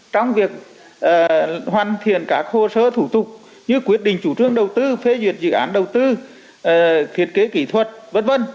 trong việc hoàn thiện các hồ sơ thủ tục như quyết định chủ trương đầu tư phê duyệt dự án đầu tư thiết kế kỹ thuật v v